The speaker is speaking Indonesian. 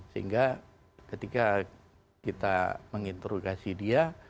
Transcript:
sehingga ketika kita menginterogasi dia